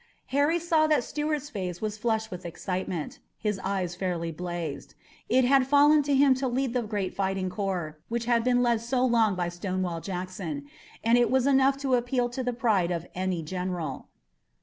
Harry saw that Stuart's face was flushed with excitement. His eyes fairly blazed. It had fallen to him to lead the great fighting corps which had been led so long by Stonewall Jackson, and it was enough to appeal to the pride of any general.